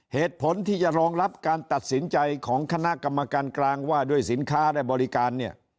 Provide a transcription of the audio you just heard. เหตุผลที่จะรองรับการตัดสินใจของคณะกรรมการกลางว่าด้วยสินค้าและบริการเนี่ย